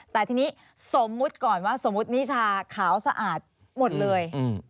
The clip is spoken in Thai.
แต่ทีนี้สมมุติก่อนว่าสมมุตินิชาขาวสะอาดหมดเลย